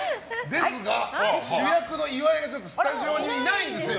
ですが、主役の岩井がスタジオにいないんですよ。